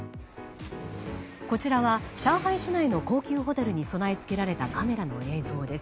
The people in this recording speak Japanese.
こちらは、上海市内の高級ホテルに備え付けられたカメラの映像です。